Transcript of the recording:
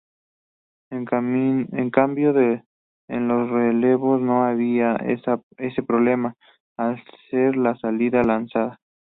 En cambio en los relevos no había ese problema, al ser la salida lanzada.